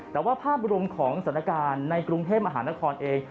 แต่ว่าภาพรวมของสถานการณ์ในกรุงเทพมหานครเอง